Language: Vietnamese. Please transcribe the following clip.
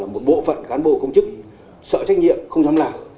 một bộ phận cán bộ công chức sợ trách nhiệm không dám làm